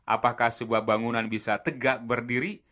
apakah sebuah bangunan bisa tegak berdiri